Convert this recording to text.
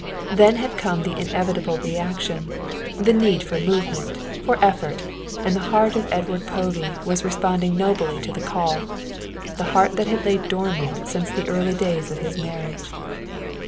Then had come the inevitable reaction, the need for movement, for effort, and the heart of Edward Povey was responding nobly to the call, the heart that had lain dormant since the early days of his marriage.